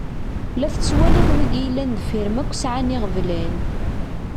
La tettwaliḍ wigi yellan ddeffir-m akk sɛan iɣeblan.